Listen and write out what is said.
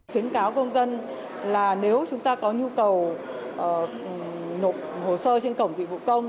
khuyến cáo công dân là nếu chúng ta có nhu cầu nộp hồ sơ trên cổng dịch vụ công